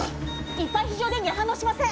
・一般非常電源反応しません！